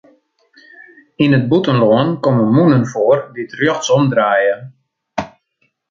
Yn it bûtenlân komme mûnen foar dy't rjochtsom draaie.